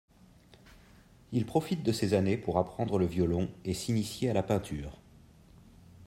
Il profite de ces années pour apprendre le violon et s'initier à la peinture.